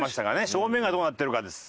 正面がどうなってるかです。